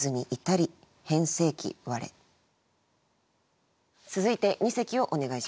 続いて二席をお願いします。